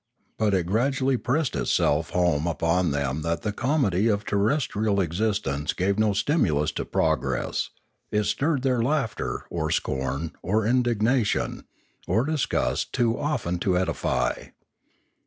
But it gradually pressed itself home upon them that the comedy of terrestrial exist ence gave no stimulus to progress; it stirred their laughter, or scorn, or indignation, or disgust too often to edify.